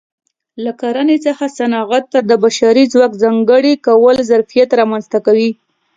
له کرنې څخه صنعت ته د بشري ځواک ځانګړي کول ظرفیت رامنځته کوي